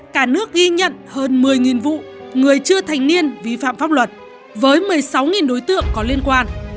cả nước ghi nhận hơn một mươi vụ người chưa thành niên vi phạm pháp luật với một mươi sáu đối tượng có liên quan